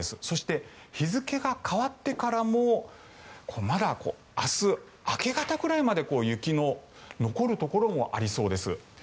そして、日付が変わってからもまだ明日、明け方くらいまで雪の残るところもありそうです。